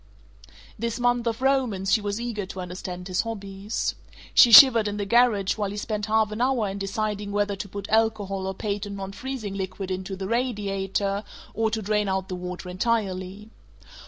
This month of romance she was eager to understand his hobbies. She shivered in the garage while he spent half an hour in deciding whether to put alcohol or patent non freezing liquid into the radiator, or to drain out the water entirely.